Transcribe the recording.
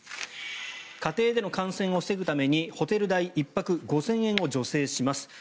家庭での感染を防ぐためにホテル代１泊５０００円を助成します。